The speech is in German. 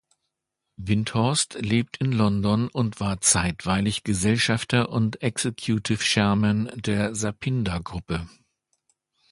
Windhorst lebt in London und war zeitweilig Gesellschafter und Executive Chairman der Sapinda-Gruppe.